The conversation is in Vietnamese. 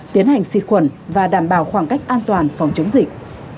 tiến hành xịt khuẩn và đảm bảo khoảng cách an toàn phòng chống dịch